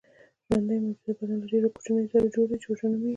د ژوندیو موجوداتو بدن له ډیرو کوچنیو ذرو جوړ دی چې حجره نومیږي